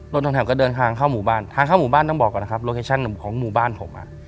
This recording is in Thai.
ตรงแถวก็เดินทางเข้าหมู่บ้านทางเข้าหมู่บ้านต้องบอกก่อนนะครับโลเคชั่นของหมู่บ้านผมอ่ะ